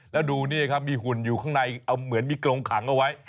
แล้วดูนี่ครับมีหุ่นอยู่ข้างในเอาเหมือนมีกรงขังเอาไว้